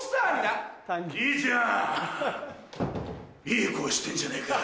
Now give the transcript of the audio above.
いい声してんじゃねえか。